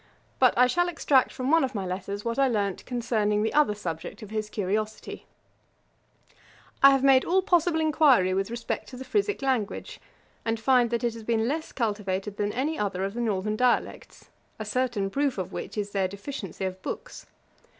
But I shall extract from one of my letters what I learnt concerning the other subject of his curiosity. [Page 476: Johnson's visit to Langton. A.D. 1764.] 'I have made all possible enquiry with respect to the Frisick language, and find that it has been less cultivated than any other of the northern dialects; a certain proof of which is their deficiency of books.